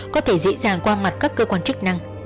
có thể dễ dàng qua mặt các cơ quan chức năng